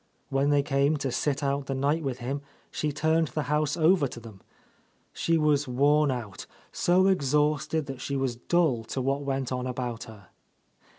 When they came to sit out the night with him, she turned the house over to them. She was worn out ; so exhausted that she was dull to what went on about her.